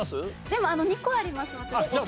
でも２個あります私。